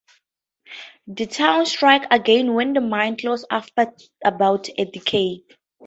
The town shrank again when the mines closed after about a decade.